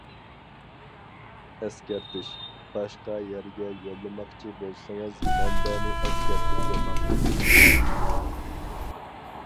ئەسكەرتىش: باشقا يەرگە يوللىماقچى بولسىڭىز مەنبەنى ئەسكەرتىپ يوللاڭ.